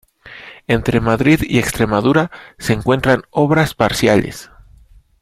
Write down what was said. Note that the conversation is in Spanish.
Entre Madrid y Extremadura, se encuentran obras parciales.